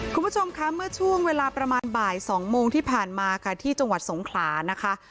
คุณผู้ชมคะเมื่อช่วงเวลาประมาณบ่าย๒โมงที่ผ่านมาค่ะที่จังหวัดสงขลานะคะ